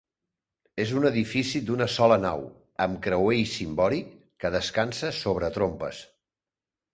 És un edifici d'una sola nau, amb creuer i cimbori, que descansa sobre trompes.